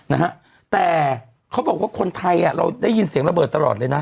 นะฮะแต่เขาบอกว่าคนไทยอ่ะเราได้ยินเสียงระเบิดตลอดเลยนะ